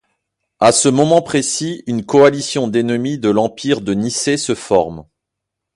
À ce moment précis, une coalition d'ennemis de l'Empire de Nicée se forme.